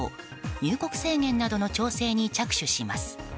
入国制限などの調整に着手します。